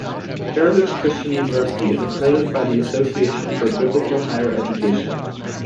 Heritage Christian University is accredited by the Association for Biblical Higher Education.